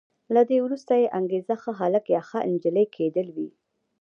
له دې وروسته یې انګېزه ښه هلک یا ښه انجلۍ کېدل وي.